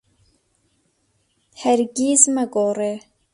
هەرگیز مەگۆڕێ.